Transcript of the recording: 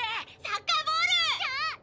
サッカーボール！